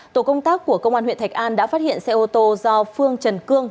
tổ công tác của công an huyện thạch an đã phát hiện xe ô tô do phương trần cương